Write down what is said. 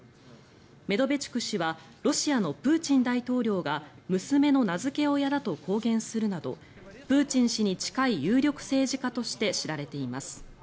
メドベチュク氏はロシアのプーチン大統領が娘の名付け親だと公言するなどプーチン氏に近い有力政治家として知られています。